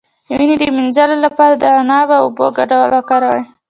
د وینې د مینځلو لپاره د عناب او اوبو ګډول وکاروئ